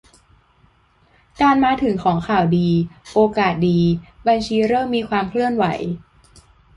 การมาถึงของข่าวดี โอกาสดี บัญชีเริ่มมีความเคลื่อนไหว